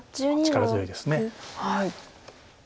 力強いです。